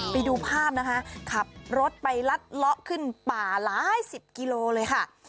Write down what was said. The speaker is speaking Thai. ไปดูภาพนะคะขับรถไปลัดเลาะขึ้นป่าหลายสิบกิโลเลยค่ะ